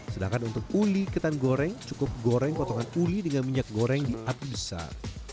sedangkan untuk uli ketan goreng cukup goreng potongan uli dengan minyak goreng di api besar